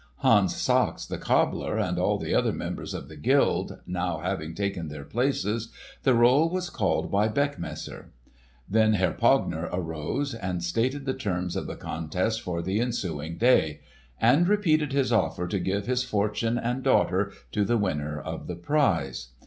Hans Sachs the cobbler and all the other members of the guild now having taken their places, the roll was called by Beckmesser. Then Herr Pogner arose and stated the terms of the contest for the ensuing day, and repeated his offer to give his fortune and daughter to the winner of the prize.